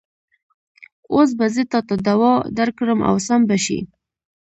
اوس به زه تاته دوا درکړم او سم به شې.